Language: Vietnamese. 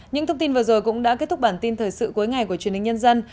những thông tin vừa rồi cũng đã kết thúc bản tin thời sự cuối ngày của truyền hình nhân dân